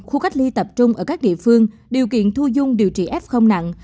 khu cách ly tập trung ở các địa phương điều kiện thu dung điều trị f nặng